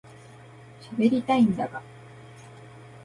しゃべりたいんだが